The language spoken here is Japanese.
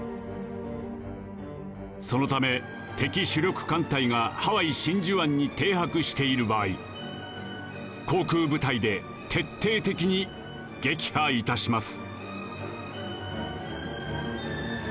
「そのため敵主力艦隊がハワイ真珠湾に停泊している場合航空部隊で徹底的に撃破いたします」。